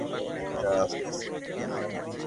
একটা প্রাপ্তবয়স্কা মহিলা!